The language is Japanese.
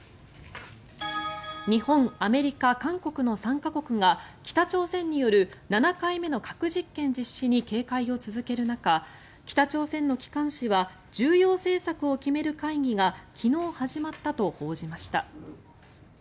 日本、アメリカ、韓国の３か国が北朝鮮による７回目の核実験実施に警戒を続ける中北朝鮮の機関誌は重要政策を決める会議が昨日始まったと報じました。